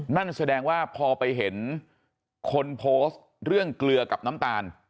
นั่นแสดงว่าพอไปเห็นคนโพสต์เรื่องเกลือกับน้ำตาล